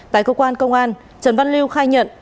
tại cơ quan công an trần văn liêu khai nhận